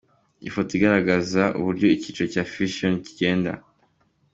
Ifoto igaragaza uburyo icyiciro cya Fission kigenda.